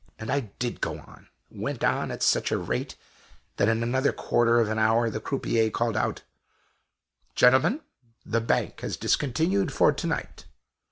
And I did go on went on at such a rate, that in another quarter of an hour the croupier called out, "Gentlemen, the bank has discontinued for to night."